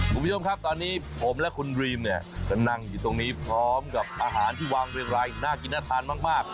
คุณผู้ชมครับตอนนี้ผมและคุณรีมเนี่ยก็นั่งอยู่ตรงนี้พร้อมกับอาหารที่วางเรียงรายน่ากินน่าทานมาก